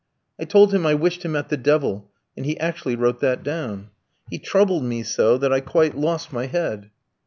I told him I wished him at the devil, and he actually wrote that down. He troubled me so, that I quite lost my head.'"